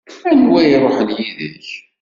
Anwa i iṛuḥen yid-k?